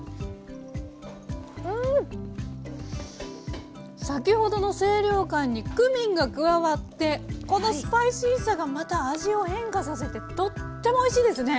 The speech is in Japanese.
うん！先ほどの清涼感にクミンが加わってこのスパイシーさがまた味を変化させてとってもおいしいですね！